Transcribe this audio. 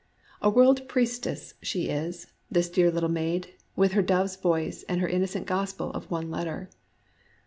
A world priestess she is, this dear little maid, with her dove's voice and her innocent gospel of one letter!